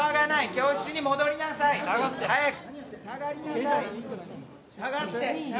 教室に戻りなさい早く。